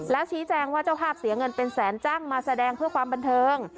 แล้วชี้แจงว่าเจ้าภาพเสียเงินเป็นแสนจ้างมาแสดงเพื่อความบันเทิง